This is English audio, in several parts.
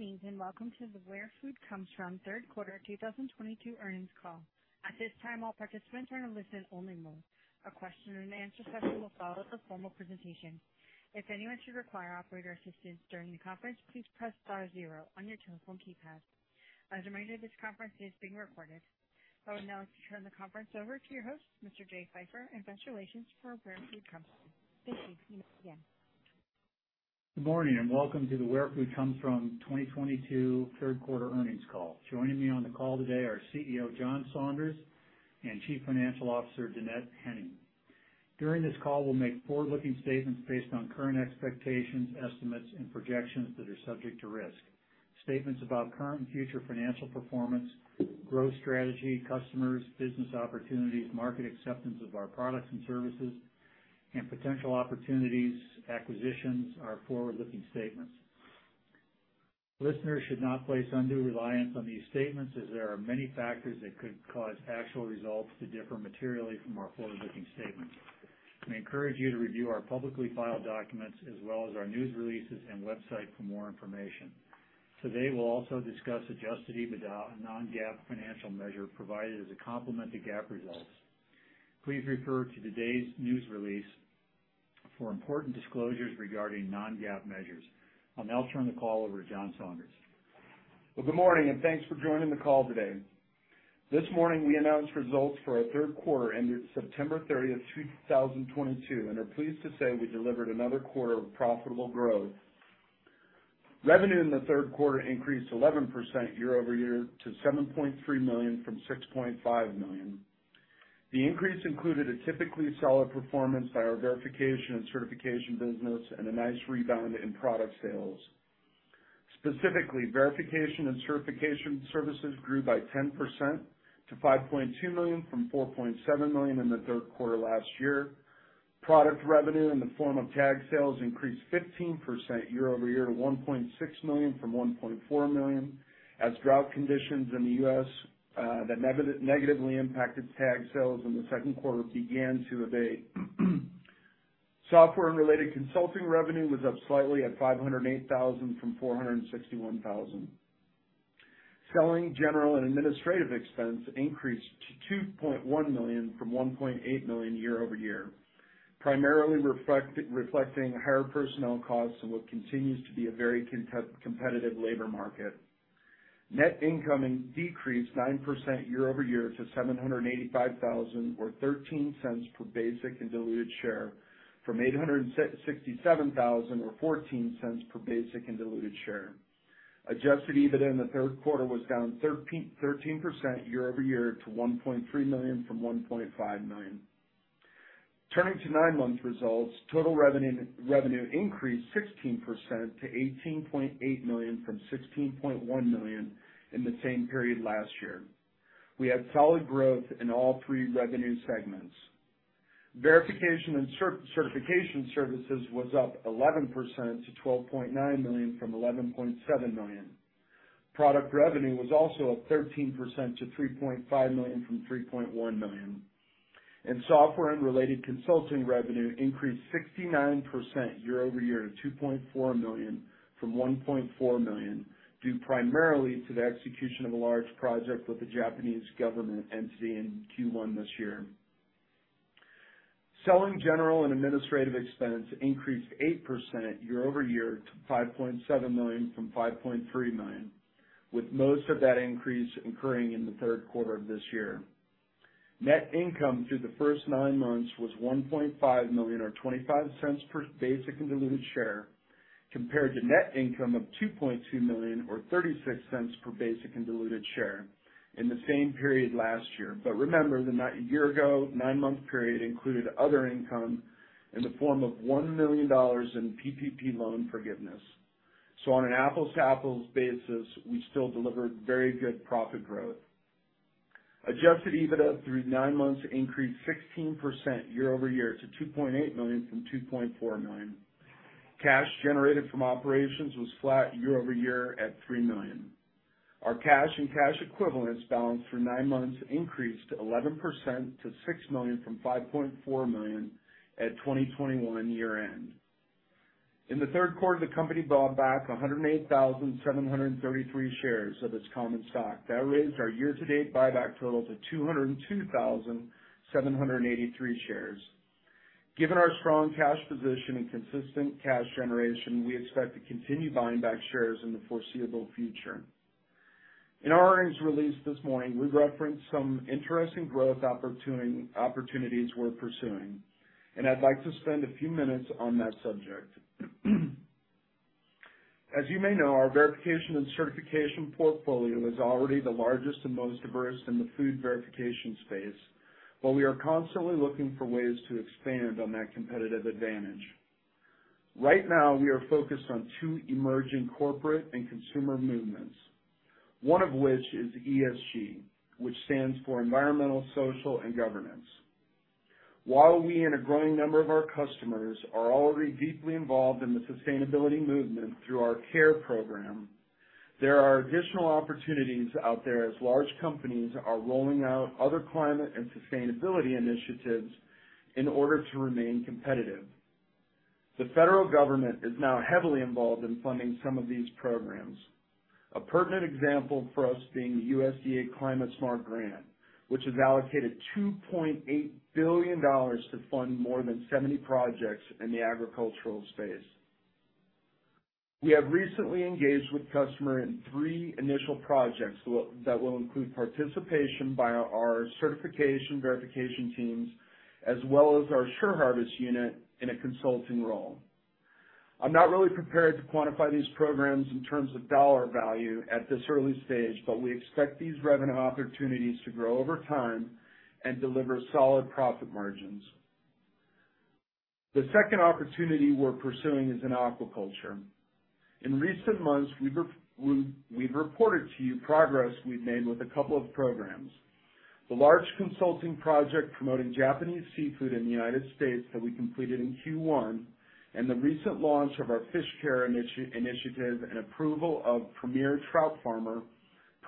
Welcome to the Where Food Comes From Q3 2022 earnings call. At this time, all participants are in listen only mode. A question and answer session will follow the formal presentation. If anyone should require operator assistance during the conference, please press star zero on your telephone keypad. As a reminder, this conference is being recorded. I would now like to turn the conference over to your host, Mr. Jay Pfeiffer, Investor Relations for Where Food Comes From. Thank you again. Good morning, and welcome to the Where Food Comes From 2022 Q3 earnings call. Joining me on the call today are CEO John Saunders and Chief Financial Officer Dannette Henning. During this call, we'll make forward-looking statements based on current expectations, estimates, and projections that are subject to risk. Statements about current and future financial performance, growth strategy, customers, business opportunities, market acceptance of our products and services, and potential opportunities, acquisitions are forward-looking statements. Listeners should not place undue reliance on these statements as there are many factors that could cause actual results to differ materially from our forward-looking statements. We encourage you to review our publicly filed documents as well as our news releases and website for more information. Today, we'll also discuss adjusted EBITDA, a non-GAAP financial measure provided as a complement to GAAP results. Please refer to today's news release for important disclosures regarding non-GAAP measures. I'll now turn the call over to John Saunders. Well, good morning, and thanks for joining the call today. This morning, we announced results for our Q3 ended September 30, 2022, and are pleased to say we delivered another quarter of profitable growth. Revenue in the Q3 increased 11% year-over-year to $7.3 million from $6.5 million. The increase included a typically solid performance by our verification and certification business and a nice rebound in product sales. Specifically, verification and certification services grew by 10% to $5.2 million from $4.7 million in the Q3 last year. Product revenue in the form of tag sales increased 15% year-over-year to $1.6 million from $1.4 million as drought conditions in the U.S. that negatively impacted tag sales in the second quarter began to abate. Software and related consulting revenue was up slightly at $508 thousand from $461 thousand. Selling, general, and administrative expense increased to $2.1 million from $1.8 million year-over-year, primarily reflecting higher personnel costs and what continues to be a very competitive labor market. Net income decreased 9% year-over-year to $785 thousand or $0.13 per basic and diluted share from $867 thousand or $0.14 per basic and diluted share. Adjusted EBITDA in the Q3 was down 13% year-over-year to $1.3 million from $1.5 million. Turning to nine-month results, total revenue increased 16% to $18.8 million from $16.1 million in the same period last year. We had solid growth in all three revenue segments. Verification and certification services was up 11% to $12.9 million from $11.7 million. Product revenue was also up 13% to $3.5 million from $3.1 million. Software and related consulting revenue increased 69% year-over-year to $2.4 million from $1.4 million, due primarily to the execution of a large project with the Japanese government entity in Q1 this year. Selling, general, and administrative expense increased 8% year-over-year to $5.7 million from $5.3 million, with most of that increase occurring in the Q3 of this year. Net income through the first nine months was $1.5 million or $0.25 per basic and diluted share, compared to net income of $2.2 million or $0.36 per basic and diluted share in the same period last year. Remember, the year ago nine-month period included other income in the form of $1 million in PPP loan forgiveness. On an apples to apples basis, we still delivered very good profit growth. Adjusted EBITDA through nine months increased 16% year-over-year to $2.8 million from $2.4 million. Cash generated from operations was flat year-over-year at $3 million. Our cash and cash equivalents balance for nine months increased 11% to $6 million from $5.4 million at 2021 year end. In the Q3, the company bought back 108,733 shares of its common stock. That raised our year-to-date buyback total to 202,783 shares. Given our strong cash position and consistent cash generation, we expect to continue buying back shares in the foreseeable future. In our earnings release this morning, we referenced some interesting growth opportunities we're pursuing, and I'd like to spend a few minutes on that subject. As you may know, our verification and certification portfolio is already the largest and most diverse in the food verification space, but we are constantly looking for ways to expand on that competitive advantage. Right now, we are focused on two emerging corporate and consumer movements, one of which is ESG, which stands for environmental, social, and governance. While we and a growing number of our customers are already deeply involved in the sustainability movement through our care program, there are additional opportunities out there as large companies are rolling out other climate and sustainability initiatives. In order to remain competitive. The federal government is now heavily involved in funding some of these programs. A pertinent example for us being the Partnerships for Climate-Smart Commodities, which has allocated $2.8 billion to fund more than 70 projects in the agricultural space. We have recently engaged with a customer on 3 initial projects that will include participation by our certification verification teams as well as our SureHarvest unit in a consulting role. I'm not really prepared to quantify these programs in terms of dollar value at this early stage, but we expect these revenue opportunities to grow over time and deliver solid profit margins. The second opportunity we're pursuing is in aquaculture. In recent months, we've reported to you progress we've made with a couple of programs. The large consulting project promoting Japanese seafood in the United States that we completed in Q1 and the recent launch of our FishCARE initiative and approval of premier trout farmer,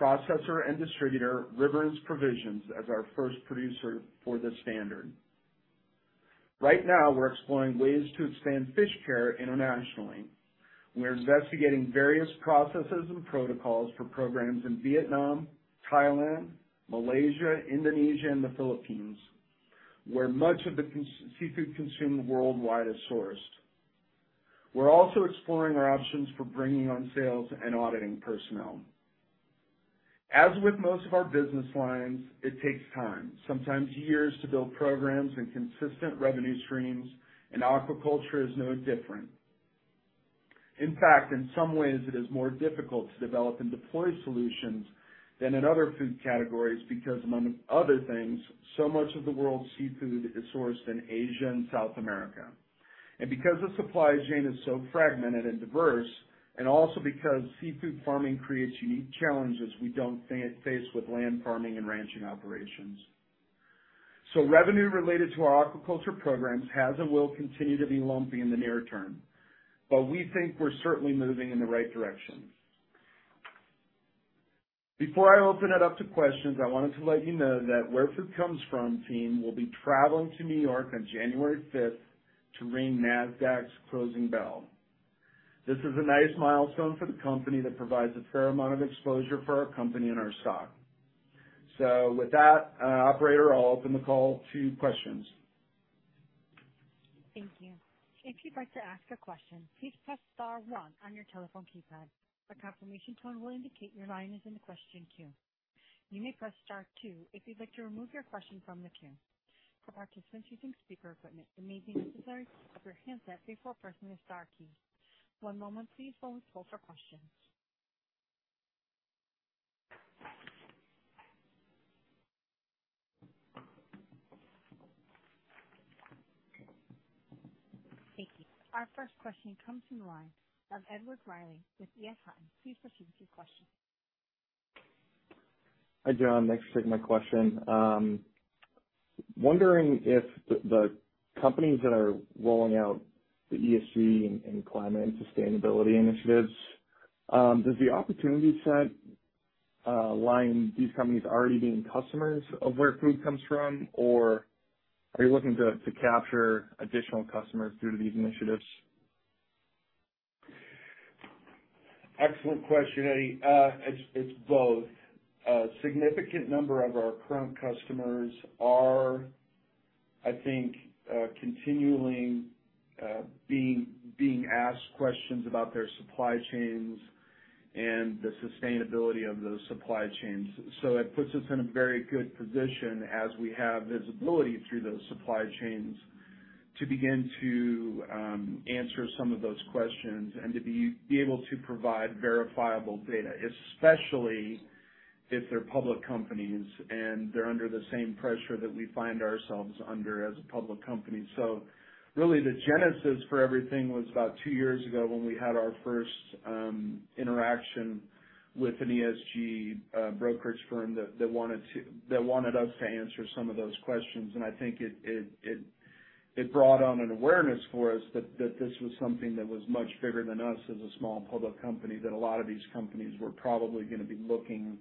processor and distributor, Riverence Provisions, as our first producer for this standard. Right now, we're exploring ways to expand FishCARE internationally. We're investigating various processes and protocols for programs in Vietnam, Thailand, Malaysia, Indonesia and the Philippines, where much of the seafood consumed worldwide is sourced. We're also exploring our options for bringing on sales and auditing personnel. As with most of our business lines, it takes time, sometimes years, to build programs and consistent revenue streams, and aquaculture is no different. In fact, in some ways it is more difficult to develop and deploy solutions than in other food categories because, among other things, so much of the world's seafood is sourced in Asia and South America. Because the supply chain is so fragmented and diverse, and also because seafood farming creates unique challenges we don't face with land farming and ranching operations. Revenue related to our aquaculture programs has and will continue to be lumpy in the near term, but we think we're certainly moving in the right direction. Before I open it up to questions, I wanted to let you know that Where Food Comes From team will be traveling to New York on January fifth to ring Nasdaq's closing bell. This is a nice milestone for the company that provides a fair amount of exposure for our company and our stock. With that, operator, I'll open the call to questions. Thank you. If you'd like to ask a question, please press star one on your telephone keypad. A confirmation tone will indicate your line is in the question queue. You may press star two if you'd like to remove your question from the queue. For participants using speaker equipment, it may be necessary to press your handset before pressing the star key. One moment please while we poll for questions. Thank you. Our first question comes from the line of Edward Riley with EF Hutton. Please proceed with your question. Hi, John. Thanks for taking my question. Wondering if the companies that are rolling out the ESG and climate and sustainability initiatives, does the opportunity set lie in these companies already being customers of Where Food Comes From? Or are you looking to capture additional customers through these initiatives? Excellent question, Eddie. It's both. A significant number of our current customers are, I think, continually being asked questions about their supply chains and the sustainability of those supply chains. It puts us in a very good position as we have visibility through those supply chains to begin to answer some of those questions and to be able to provide verifiable data, especially if they're public companies and they're under the same pressure that we find ourselves under as a public company. Really the genesis for everything was about two years ago when we had our first interaction with an ESG brokerage firm that wanted us to answer some of those questions. I think it brought on an awareness for us that this was something that was much bigger than us as a small public company, that a lot of these companies were probably gonna be looking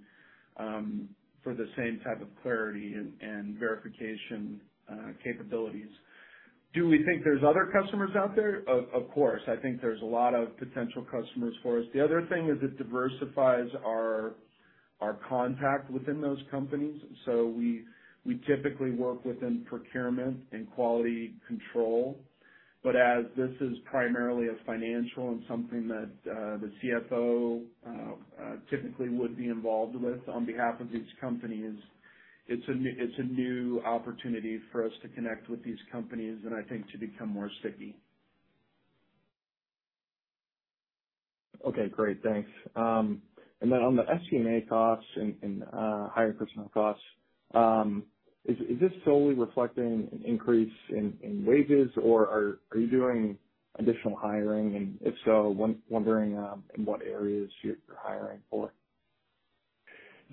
for the same type of clarity and verification capabilities. Do we think there's other customers out there? Of course, I think there's a lot of potential customers for us. The other thing is it diversifies our contact within those companies. We typically work within procurement and quality control, but as this is primarily a financial and something that the CFO typically would be involved with on behalf of these companies, it's a new opportunity for us to connect with these companies and I think to become more sticky. Okay, great. Thanks. And then on the SG&A costs and higher personnel costs, is this solely reflecting an increase in wages or are you doing additional hiring? If so, wondering in what areas you're hiring for?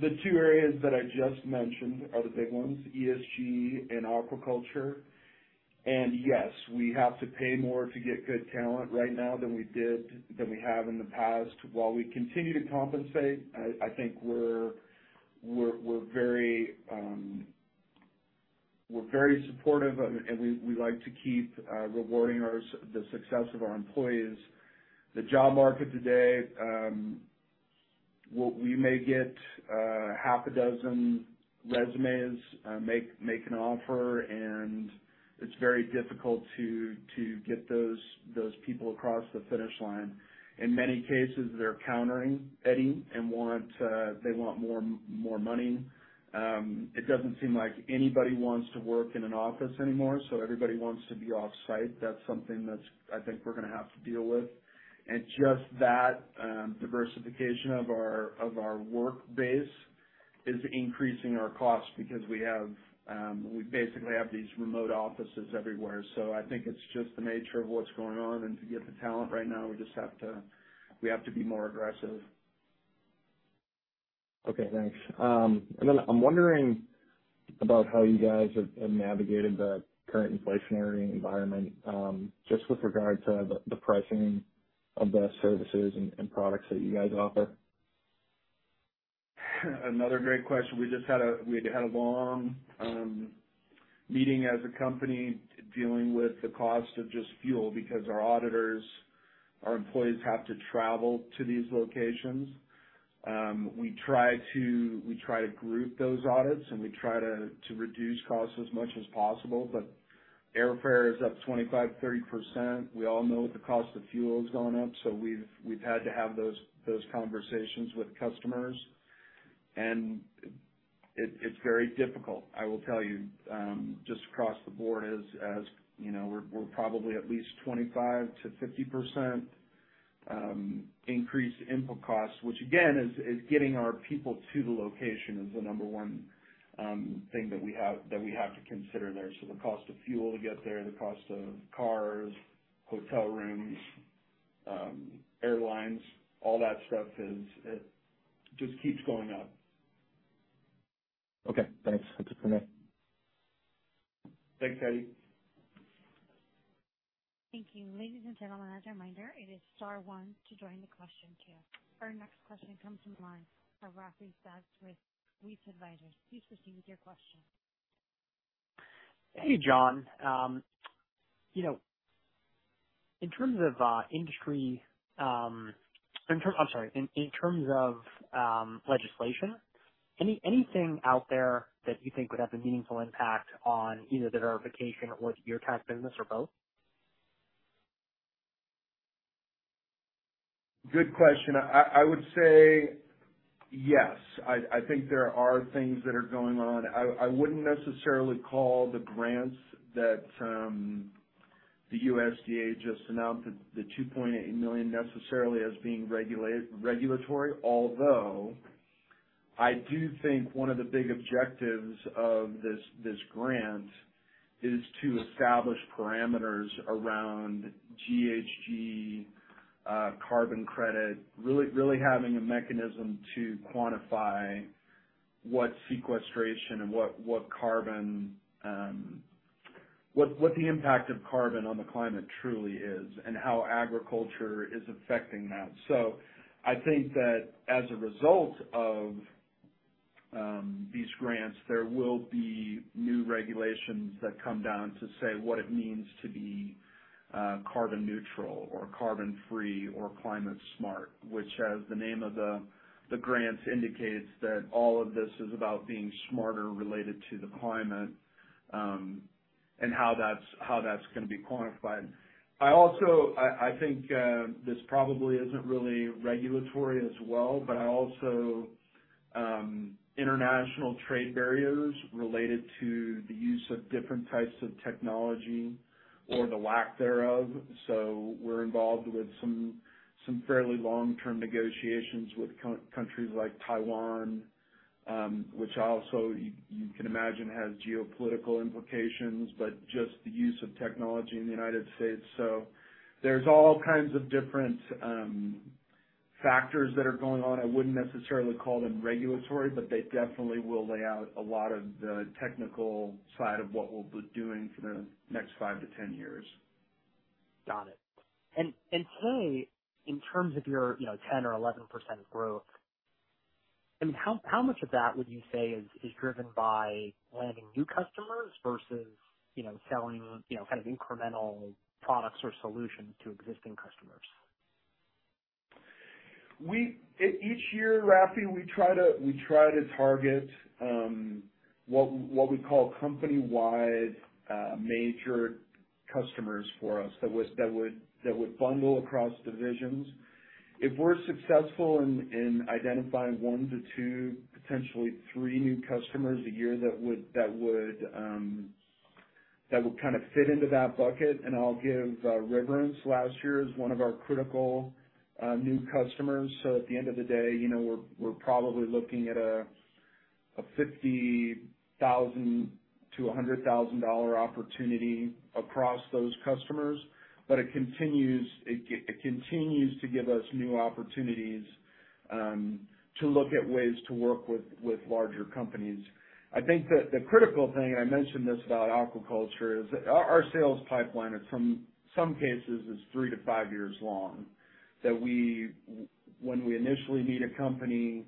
The two areas that I just mentioned are the big ones, ESG and aquaculture. Yes, we have to pay more to get good talent right now than we did, than we have in the past. While we continue to compensate, I think we're very supportive and we like to keep rewarding the success of our employees. The job market today, we may get 6 resumes, make an offer, and it's very difficult to get those people across the finish line. In many cases, they're countering, Ed, and they want more money. It doesn't seem like anybody wants to work in an office anymore, so everybody wants to be off-site. That's something that's, I think, we're gonna have to deal with. Just that diversification of our work base is increasing our costs because we basically have these remote offices everywhere. I think it's just the nature of what's going on. To get the talent right now, we have to be more aggressive. Okay, thanks. I'm wondering about how you guys have navigated the current inflationary environment, just with regard to the pricing of the services and products that you guys offer. Another great question. We just had a long meeting as a company dealing with the cost of just fuel because our auditors, our employees have to travel to these locations. We try to group those audits, and we try to reduce costs as much as possible, but airfare is up 25-30%. We all know the cost of fuel has gone up, so we've had to have those conversations with customers. It is very difficult, I will tell you. Just across the board, as you know, we're probably at least 25%-50% increased input costs, which again is getting our people to the location is the number one thing that we have to consider there. The cost of fuel to get there, the cost of cars, hotel rooms, airlines, all that stuff is, it just keeps going up. Okay, thanks. That's it for me. Thanks, Edward. Thank you. Ladies and gentlemen, as a reminder, it is star one to join the question queue. Our next question comes from the line of Raffi D'Ath with B. Riley Advisors. Please proceed with your question. Hey, John. I'm sorry. You know, in terms of legislation, anything out there that you think would have a meaningful impact on either the verification or your tech business or both? Good question. I would say yes. I think there are things that are going on. I wouldn't necessarily call the grants that the USDA just announced, the $2.8 million necessarily as being regulatory, although I do think one of the big objectives of this grant is to establish parameters around GHG, carbon credit, really having a mechanism to quantify what sequestration and what carbon, what the impact of carbon on the climate truly is and how agriculture is affecting that. I think that as a result of these grants, there will be new regulations that come down to say what it means to be carbon neutral or carbon-free or climate smart, which, as the name of the grants indicates, that all of this is about being smarter related to the climate, and how that's gonna be quantified. I think this probably isn't really regulatory as well, but I also international trade barriers related to the use of different types of technology or the lack thereof, so we're involved with some fairly long-term negotiations with countries like Taiwan, which also you can imagine has geopolitical implications, but just the use of technology in the United States. There's all kinds of different factors that are going on. I wouldn't necessarily call them regulatory, but they definitely will lay out a lot of the technical side of what we'll be doing for the next 5 to 10 years. Got it. Today, in terms of your, you know, 10% or 11% growth, I mean, how much of that would you say is driven by landing new customers versus, you know, selling, you know, kind of incremental products or solutions to existing customers? Each year, Raffi, we try to target what we call company-wide major customers for us that would bundle across divisions. If we're successful in identifying 1-2, potentially 3 new customers a year, that would kind of fit into that bucket, and I'll give Riverence last year as one of our critical new customers. At the end of the day, you know, we're probably looking at a $50,000-$100,000 dollar opportunity across those customers. It continues to give us new opportunities to look at ways to work with larger companies. I think that the critical thing, I mentioned this about aquaculture, is our sales pipeline, from some cases, 3-5 years long. When we initially meet a company,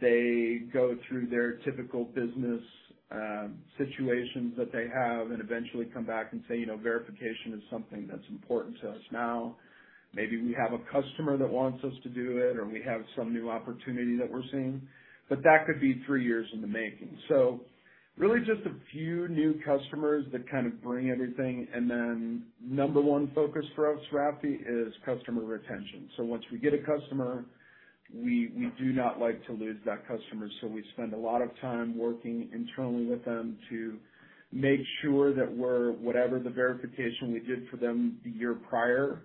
they go through their typical business situations that they have and eventually come back and say, "You know, verification is something that's important to us now. Maybe we have a customer that wants us to do it, or we have some new opportunity that we're seeing." That could be 3 years in the making. Really just a few new customers that kind of bring everything. Then number one focus for us, Raffi, is customer retention. Once we get a customer, we do not like to lose that customer, so we spend a lot of time working internally with them to make sure that we're whatever the verification we did for them the year prior,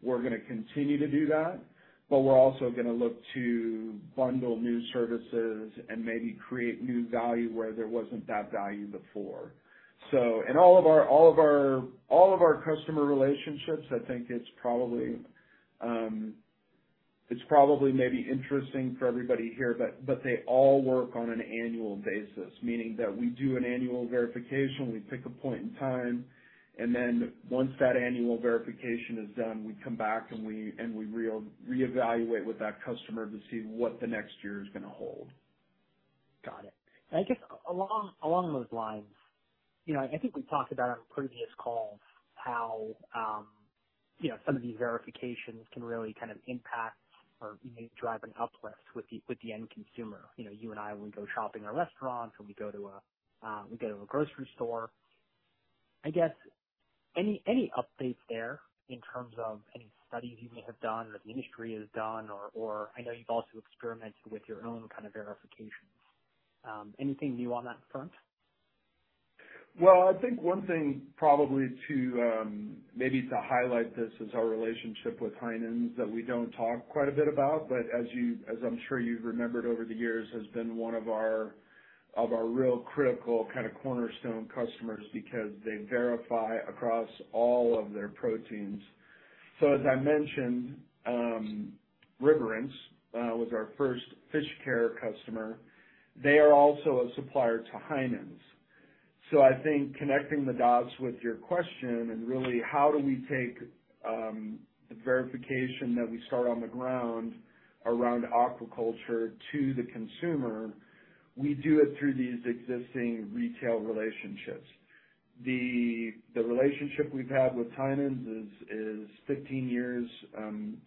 we're gonna continue to do that, but we're also gonna look to bundle new services and maybe create new value where there wasn't that value before. All of our customer relationships, I think it's probably maybe interesting for everybody here, but they all work on an annual basis, meaning that we do an annual verification. We pick a point in time, and then once that annual verification is done, we come back, and we re-reevaluate with that customer to see what the next year is gonna hold. Got it. I guess along those lines, you know, I think we've talked about on previous calls how, you know, some of these verifications can really kind of impact or maybe drive an uplift with the, with the end consumer. You know, you and I, when we go shopping or restaurants or we go to a grocery store. I guess any updates there in terms of any studies you may have done or the industry has done or I know you've also experimented with your own kind of verifications. Anything new on that front? Well, I think one thing probably to highlight this is our relationship with Heinen's that we don't talk quite a bit about, but as I'm sure you've remembered over the years, has been one of our real critical kind of cornerstone customers because they verify across all of their proteins. As I mentioned, Riverence was our first FishCARE customer. They are also a supplier to Heinen's. I think connecting the dots with your question and really how do we take the verification that we start on the ground around aquaculture to the consumer, we do it through these existing retail relationships. The relationship we've had with Heinen's is 15 years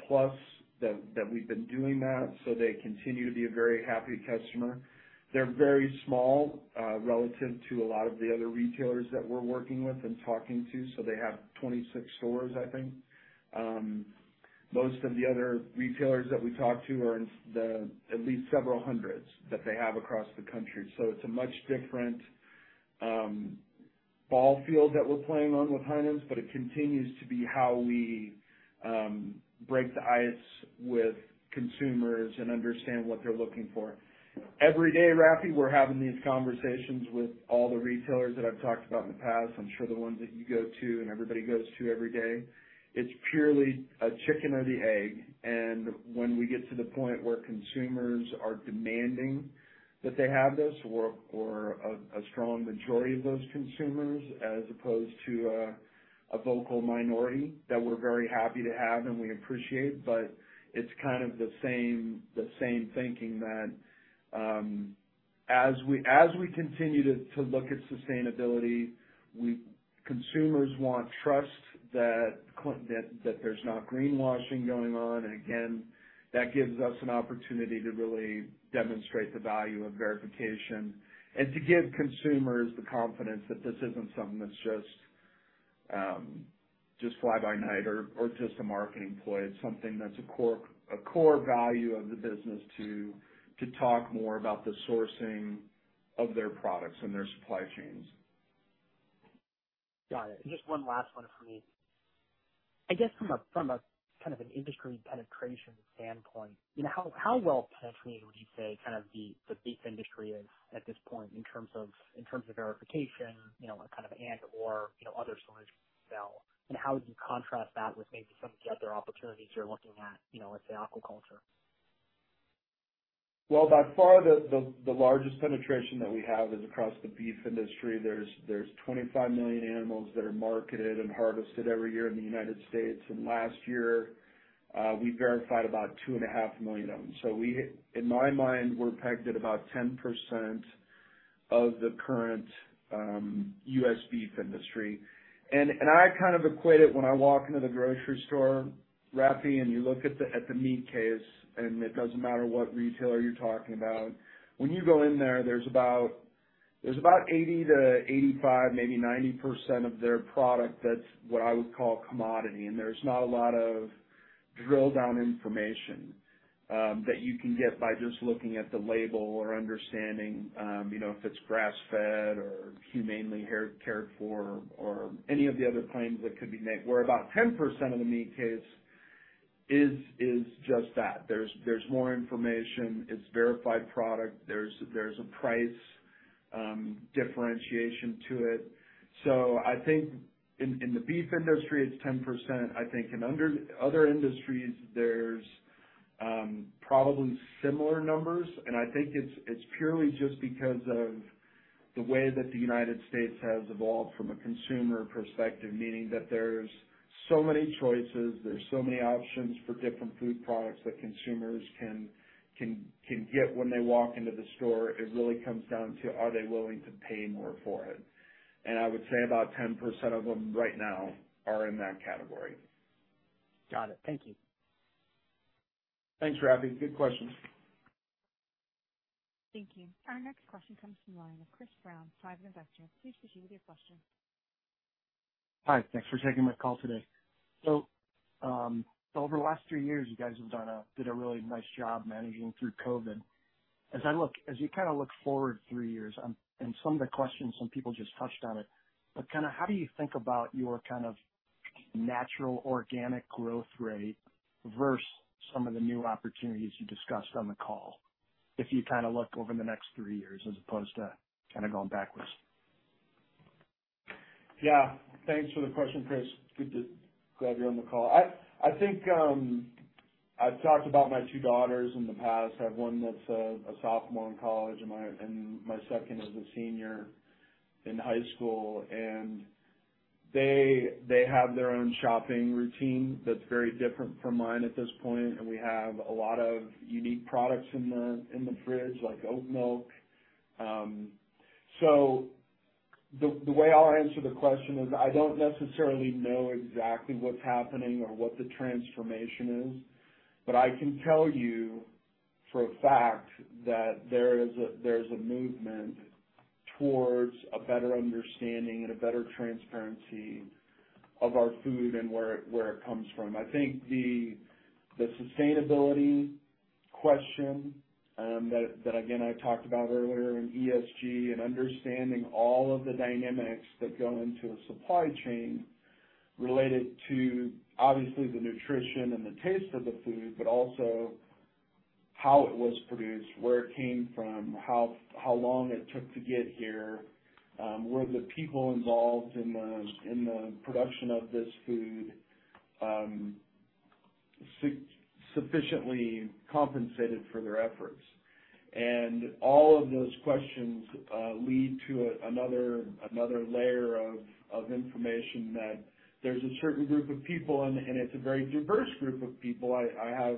plus that we've been doing that, so they continue to be a very happy customer. They're very small relative to a lot of the other retailers that we're working with and talking to. They have 26 stores, I think. Most of the other retailers that we talk to are in the at least several hundreds that they have across the country. It's a much different ball field that we're playing on with Heinen's, but it continues to be how we break the ice with consumers and understand what they're looking for. Every day, Raffi, we're having these conversations with all the retailers that I've talked about in the past. I'm sure the ones that you go to and everybody goes to every day. It's purely a chicken or the egg, and when we get to the point where consumers are demanding that they have this or a strong majority of those consumers as opposed to a vocal minority that we're very happy to have and we appreciate, but it's kind of the same thinking that as we continue to look at sustainability. Consumers want trust that there's not greenwashing going on. Again, that gives us an opportunity to really demonstrate the value of verification and to give consumers the confidence that this isn't something that's just fly by night or just a marketing ploy. It's something that's a core value of the business to talk more about the sourcing of their products and their supply chains. Got it. Just one last one for me. I guess from a kind of an industry penetration standpoint, you know, how well penetrated would you say kind of the beef industry is at this point in terms of verification, you know, kind of and/or, you know, other sources sell, and how would you contrast that with maybe some of the other opportunities you're looking at, you know, let's say aquaculture? Well, by far the largest penetration that we have is across the beef industry. There's 25 million animals that are marketed and harvested every year in the United States, and last year we verified about 2.5 million of them. In my mind, we're pegged at about 10% of the current U.S. beef industry. I kind of equate it when I walk into the grocery store, Raffi, and you look at the meat case, and it doesn't matter what retailer you're talking about. When you go in there's about 80%-85%, maybe 90% of their product that's what I would call commodity, and there's not a lot of drill-down information that you can get by just looking at the label or understanding you know, if it's grass-fed or humanely cared for or any of the other claims that could be made. Whereas about 10% of the meat case is just that. There's more information. It's verified product. There's a price differentiation to it. I think in the beef industry, it's 10%. I think in other industries, there's probably similar numbers, and I think it's purely just because of the way that the United States has evolved from a consumer perspective, meaning that there's so many choices, there's so many options for different food products that consumers can get when they walk into the store. It really comes down to are they willing to pay more for it? I would say about 10% of them right now are in that category. Got it. Thank you. Thanks, Raffi. Good questions. Thank you. Our next question comes from the line of Chris Brown, Private Investor. Please proceed with your question. Hi. Thanks for taking my call today. Over the last three years, you guys have done a really nice job managing through COVID. As you kinda look forward three years, and some of the questions, some people just touched on it, but kinda how do you think about your kind of natural organic growth rate versus some of the new opportunities you discussed on the call, if you kinda look over the next three years as opposed to kinda going backwards? Yeah. Thanks for the question, Chris. Glad you're on the call. I think I've talked about my two daughters in the past. I have one that's a sophomore in college, and my second is a senior in high school. They have their own shopping routine that's very different from mine at this point. We have a lot of unique products in the fridge, like oat milk. The way I'll answer the question is I don't necessarily know exactly what's happening or what the transformation is, but I can tell you for a fact that there is a movement towards a better understanding and a better transparency of our food and where it comes from. I think the sustainability question that again I talked about earlier in ESG and understanding all of the dynamics that go into a supply chain related to obviously the nutrition and the taste of the food, but also how it was produced, where it came from, how long it took to get here, were the people involved in the production of this food sufficiently compensated for their efforts. All of those questions lead to another layer of information that there's a certain group of people and it's a very diverse group of people. I have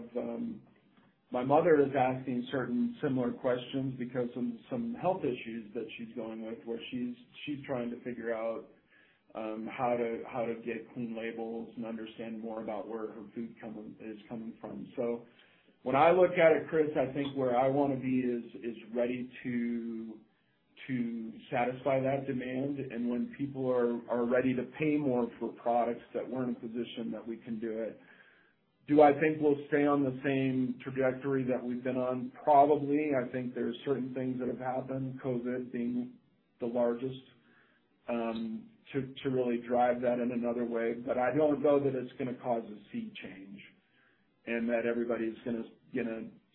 My mother is asking certain similar questions because some health issues that she's going through, where she's trying to figure out how to get clean labels and understand more about where her food is coming from. When I look at it, Chris, I think where I wanna be is ready to satisfy that demand. When people are ready to pay more for products, that we're in a position that we can do it. Do I think we'll stay on the same trajectory that we've been on? Probably. I think there's certain things that have happened, COVID being the largest, to really drive that in another way. I don't know that it's gonna cause a sea change and that everybody's gonna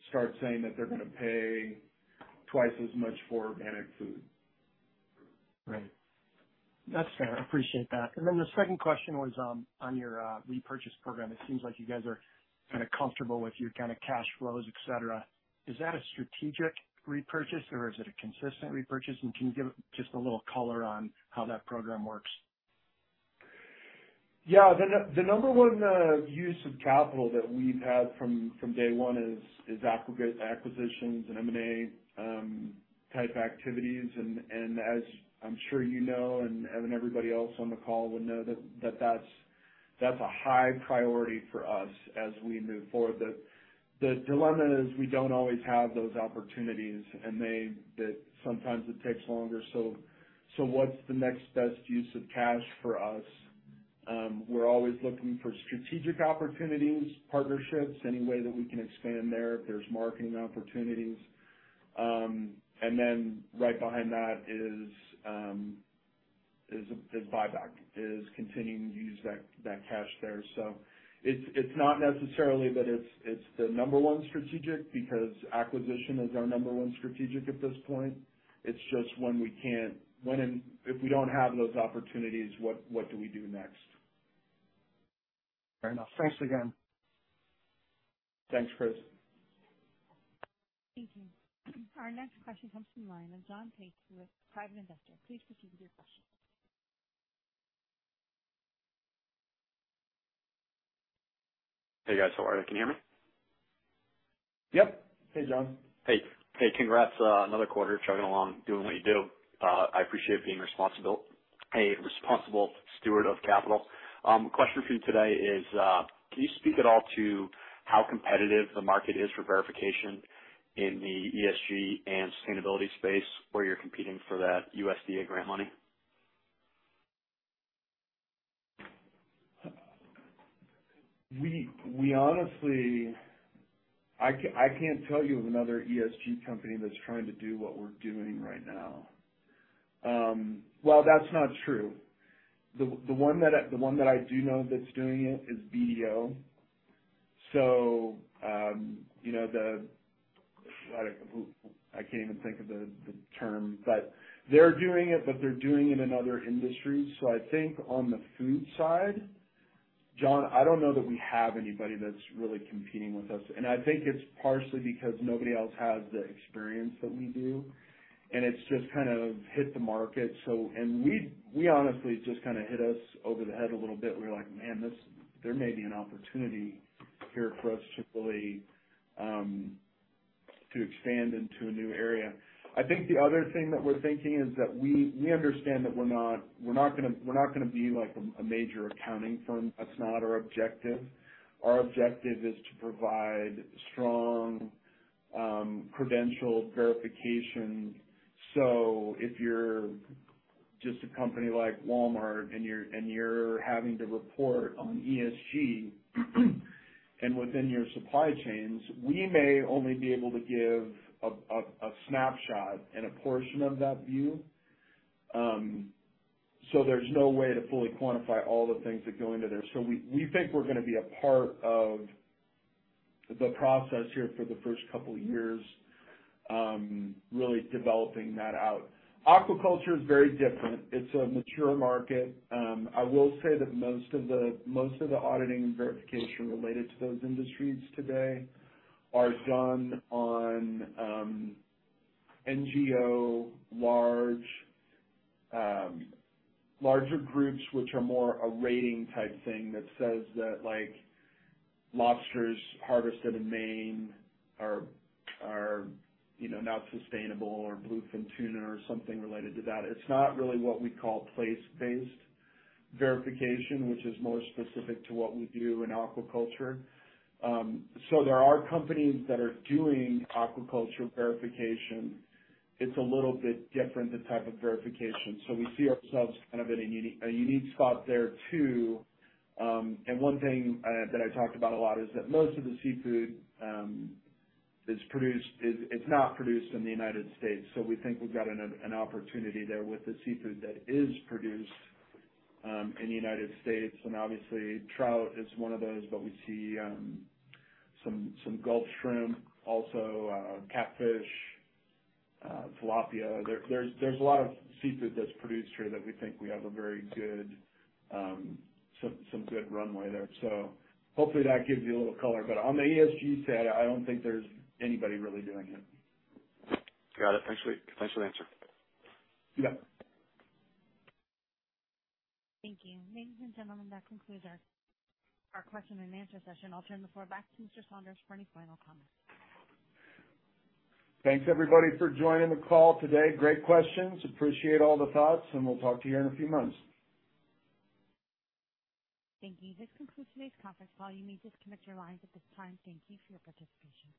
start saying that they're gonna pay twice as much for organic food. Right. That's fair. I appreciate that. Then the second question was, on your repurchase program. It seems like you guys are kinda comfortable with your kinda cash flows, et cetera. Is that a strategic repurchase or is it a consistent repurchase? Can you give just a little color on how that program works? Yeah. The number one use of capital that we've had from day one is aggregate acquisitions and M&A type activities. As I'm sure you know and everybody else on the call would know, that's a high priority for us as we move forward. The dilemma is we don't always have those opportunities and that sometimes it takes longer. What's the next best use of cash for us? We're always looking for strategic opportunities, partnerships, any way that we can expand there if there's marketing opportunities. And then right behind that is buyback, continuing to use that cash there. It's not necessarily that it's the number one strategic because acquisition is our number one strategic at this point. It's just when and if we don't have those opportunities, what do we do next? Fair enough. Thanks again. Thanks, Chris. Thank you. Our next question comes from the line of John Tate with Private Investor. Please proceed with your question. Hey, guys. How are you? Can you hear me? Yep. Hey, John. Hey. Hey, congrats. Another quarter chugging along, doing what you do. I appreciate a responsible steward of capital. Question for you today is, can you speak at all to how competitive the market is for verification in the ESG and sustainability space where you're competing for that USDA grant money? We honestly can't tell you of another ESG company that's trying to do what we're doing right now. Well, that's not true. The one that I do know that's doing it is BDO. You know, I can't even think of the term, but they're doing it in other industries. I think on the food side, John, I don't know that we have anybody that's really competing with us, and I think it's partially because nobody else has the experience that we do, and it's just kind of hit the market. We honestly just kind of it hit us over the head a little bit. We were like, "Man, this. There may be an opportunity here for us to really, to expand into a new area. I think the other thing that we're thinking is that we understand that we're not gonna be like a major accounting firm. That's not our objective. Our objective is to provide strong credential verification. If you're just a company like Walmart and you're having to report on ESG and within your supply chains, we may only be able to give a snapshot and a portion of that view. There's no way to fully quantify all the things that go into this. We think we're gonna be a part of the process here for the first couple years, really developing that out. Aquaculture is very different. It's a mature market. I will say that most of the auditing and verification related to those industries today are done on NGOs, large, larger groups, which are more a rating type thing that says that, like, lobsters harvested in Maine are, you know, not sustainable or bluefin tuna or something related to that. It's not really what we call place-based verification, which is more specific to what we do in aquaculture. So there are companies that are doing aquaculture verification. It's a little bit different, the type of verification, so we see ourselves kind of in a unique spot there too. And one thing that I talked about a lot is that most of the seafood that's produced is. It's not produced in the United States, so we think we've got an opportunity there with the seafood that is produced in the United States, and obviously trout is one of those. We see some Gulf shrimp also, catfish, tilapia. There's a lot of seafood that's produced here that we think we have a very good some good runway there. Hopefully that gives you a little color. On the ESG side, I don't think there's anybody really doing it. Got it. Thanks for the answer. Yeah. Thank you. Ladies and gentlemen, that concludes our question and answer session. I'll turn the floor back to Mr. Saunders for any final comments. Thanks everybody for joining the call today. Great questions. Appreciate all the thoughts, and we'll talk to you in a few months. Thank you. This concludes today's conference call. You may disconnect your lines at this time. Thank you for your participation.